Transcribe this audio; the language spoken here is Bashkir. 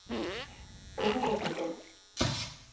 Тороғоҙ инде!